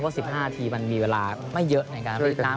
๑๕นาทีมันมีเวลาไม่เยอะในการรีดน้ำ